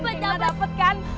monting montingnya dapet kan